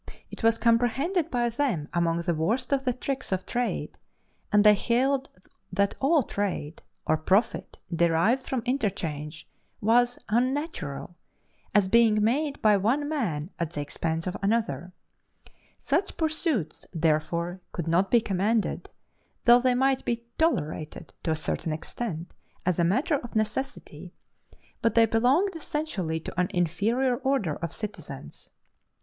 It was comprehended by them among the worst of the tricks of trade and they held that all trade, or profit derived from interchange, was unnatural, as being made by one man at the expense of another; such pursuits therefore could not be commended, though they might be tolerated to a certain extent as a matter of necessity, but they belonged essentially to an inferior order of citizens.